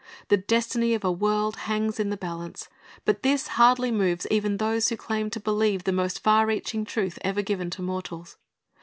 The destiny of a world hangs in the balance; but this hardly moves even those who claim to believe the most far reaching truth ever given to mortals.